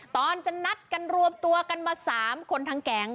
ตอนจะนัดรวบตัวกันมา๓คนทางแกง